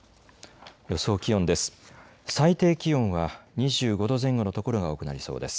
予想気温です。